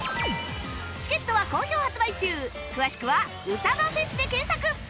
チケットは好評発売中詳しくは「ウタバ ＦＥＳ」で検索